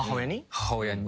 母親に。